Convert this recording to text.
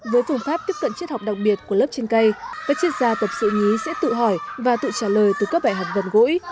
với phương pháp tiếp cận triết học đặc biệt của lớp trên cây các triết gia tập sự nhí sẽ tự hỏi và tự trả lời từ các bài học gần gũi